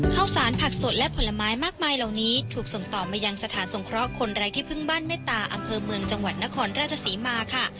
ข้าวสารผักสดและผลไม้มากมายเหล่านี้ถูกส่งต่อมายังสถานสงเคราะห์คนไร้ที่พึ่งบ้านเมตตาอำเภอเมืองจังหวัดนครราชศรีมาค่ะ